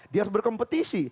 dia harus berkompetisi